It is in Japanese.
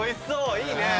いいね。